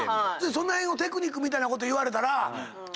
その辺のテクニックみたいなこと言われたら。